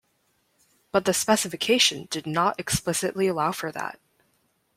But the specification did not explicitly allow for that.